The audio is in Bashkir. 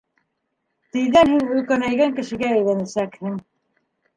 Тиҙҙән һин өлкәнәйгән кешегә әйләнәсәкһең.